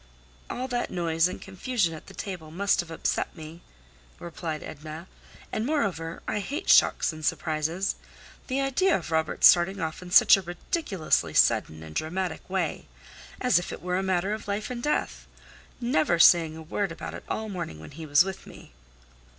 "All that noise and confusion at the table must have upset me," replied Edna, "and moreover, I hate shocks and surprises. The idea of Robert starting off in such a ridiculously sudden and dramatic way! As if it were a matter of life and death! Never saying a word about it all morning when he was with me."